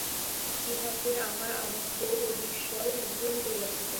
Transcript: ইহাতে আমার আনন্দ ও বিস্ময় উভয়ই হইয়াছিল।